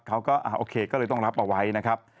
เขาก็โอเคก็เลยต้องรับเอาไว้นะครับ